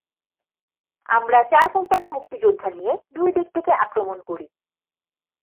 আমরা চার কোম্পানি মুক্তিযোদ্ধা নিয়ে দুই দিক থেকে আক্রমণ করি।